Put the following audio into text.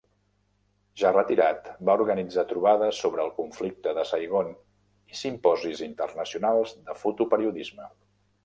Ja retirat, va organitzar trobades sobre el conflicte de Saigon i simposis internacionals de fotoperiodisme.